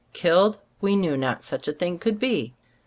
Killed? We knew not such a thing could be.